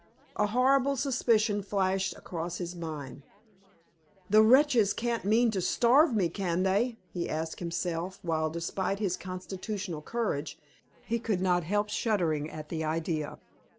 A horrible suspicion flashed across his mind. "The wretches can't mean to starve me, can they?" he asked himself, while, despite his constitutional courage, he could not help shuddering at the idea.